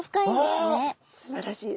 すばらしい。